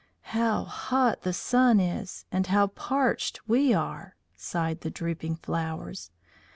"How hot the sun is! And how parched we are!" sighed the drooping flowers.